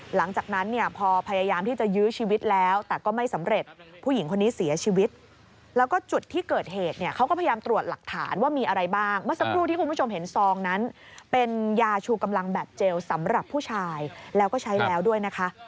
หลังจากนั้นเนี่ยพอพยายามที่จะยื้อชีวิตแล้วแต่ก็ไม่สำเร็จผู้หญิงคนนี้เสียชีวิตแล้วก็จุดที่เกิดเหตุเนี่ยเขาก็พยายามตรวจหลักฐานว่ามีอะไรบ้างเมื่อสักครู่ที่คุณผู้ชมเห็นซองนั้นเป็นยาชูกำลังแบบเจลสำหรับผู้ชายแล้วก็ใช้แล้วด้วยนะคะ